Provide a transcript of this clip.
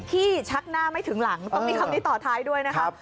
ชักหน้าไม่ถึงหลังต้องมีคำนี้ต่อท้ายด้วยนะครับ